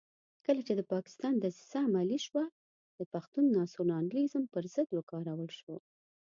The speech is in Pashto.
کله چې د پاکستان دسیسه عملي شوه د پښتون ناسیونالېزم پر ضد وکارول شو.